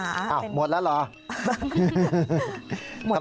อ่ะหมดแล้วเหรอ